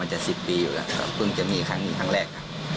จะ๑๐ปีอยู่แล้วครับเพิ่งจะมีครั้งนี้ครั้งแรก